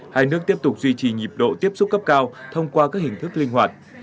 hai nước tiếp tục duy trì nhịp độ tiếp xúc cấp cao thông qua các hình thức linh hoạt